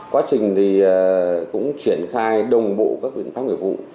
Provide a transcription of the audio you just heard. quá trình thì cũng triển khai đồng bộ các biện pháp người vụ